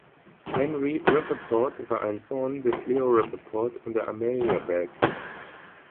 Henry Rappaport war ein Sohn des Leo Rappaport und der Amelia Bak.